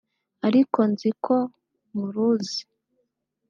ariko nzi ko muruzi